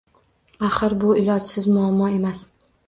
Axir bu ilojsiz muammo emas